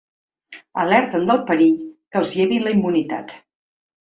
Alerten del perill que els llevin la immunitat.